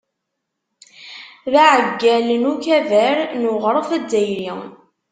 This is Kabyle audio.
D aɛeggal n Ukabar n Uɣref Azzayri.